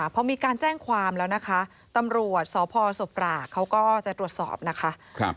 พอมีการแจ้งความแล้วนะคะตำรวจสพศพปรากเขาก็จะตรวจสอบนะคะ